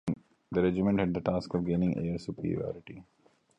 The regiment had the task of gaining air superiority.